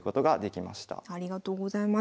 ありがとうございます。